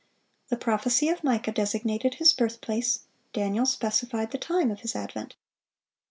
The prophecy of Micah designated His birthplace;(510) Daniel specified the time of His advent.